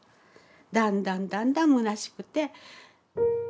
だんだんだんだんむなしくて。